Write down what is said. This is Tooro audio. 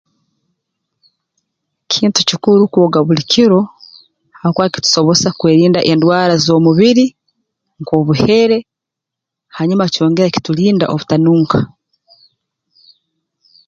Kintu kikuru kwoga buli kiro habwokuba kitusobozesa kwerinda endwara z'omubiri nk'obuhere hanyuma kyongera kitulinda obutanunka